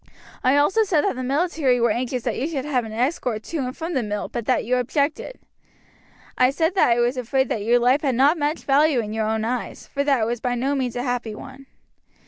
I also said that the military were anxious that you should have an escort to and from the mill, but that you objected. I said that I was afraid that your life had not much value in your own eyes, for that it was by no means a happy one.